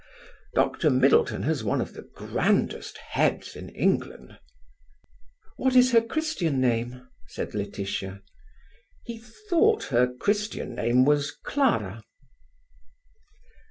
Doctor Middleton has one of the grandest heads in England." "What is her Christian name?" said Laetitia. He thought her Christian name was Clara.